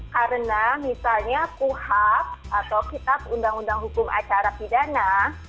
karena misalnya kuhab atau kitab undang undang hukum acara pidana